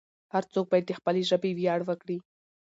هر څوک باید د خپلې ژبې ویاړ وکړي.